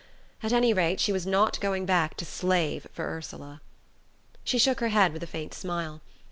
At any rate, she was not going back to slave for Ursula. She shook her head with a faint smile.